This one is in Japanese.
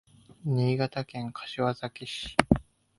新潟県柏崎市